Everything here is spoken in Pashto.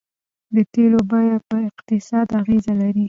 د تیلو بیه په اقتصاد اغیز لري.